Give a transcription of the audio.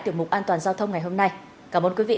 tiểu mục an toàn giao thông ngày hôm nay cảm ơn quý vị